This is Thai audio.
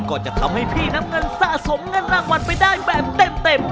ก็จะทำให้พี่น้ำเงินสะสมเงินรางวัลไปได้แบบเต็ม